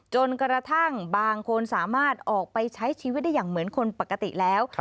จนกระทั่งบางคนสามารถออกไปใช้ชีวิตได้อย่างเหมือนคนปกติแล้ว